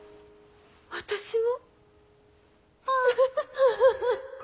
私も。